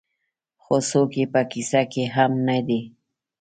خو څوک یې په کيسه کې هم نه دي.